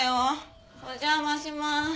お邪魔しまーす。